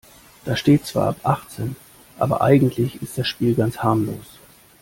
Da steht zwar ab achtzehn, aber eigentlich ist das Spiel ganz harmlos.